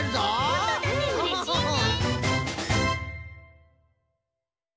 ほんとうだねうれしいね。